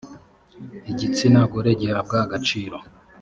igitsina gore gihabwa agaciro.